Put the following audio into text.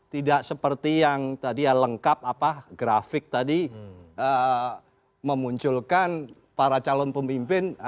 tidak seperti yang tadi ya lengkap apa grafik tadi memunculkan para calon pemimpin